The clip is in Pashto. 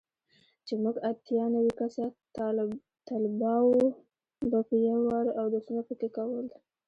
چې موږ اتيا نوي کسه طلباو به په يو وار اودسونه پکښې کول.